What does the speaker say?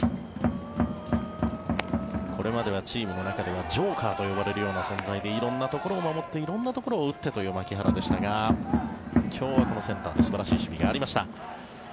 これまではチームの中ではジョーカーと呼ばれる存在で色んなところを守って色んなところを打ってという牧原でしたが今日はこのセンターで素晴らしい守備がありました。